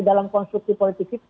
dalam konstruksi politik kita